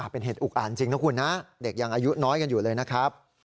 เป็นเหตุอุกอ่านจริงนะคุณนะเด็กยังอายุน้อยกันอยู่เลยนะครับ